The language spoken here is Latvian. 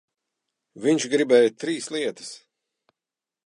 Viņš gribēja trīs lietas.